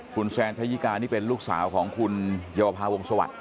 คุณแซนชายิกานี่เป็นลูกสาวของคุณเยาวภาวงศวรรค